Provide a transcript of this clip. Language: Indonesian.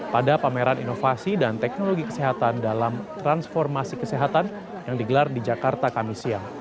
pada pameran inovasi dan teknologi kesehatan dalam transformasi kesehatan yang digelar di jakarta kami siang